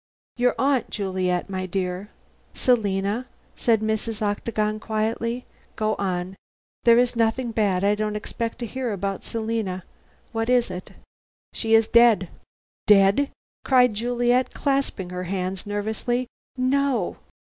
Your aunt, Juliet, my dear " "Selina," said Mrs. Octagon quietly, "go on. There is nothing bad I don't expect to hear about Selina. What is it?" "She is dead!" "Dead!" cried Juliet, clasping her hands nervously. "No!"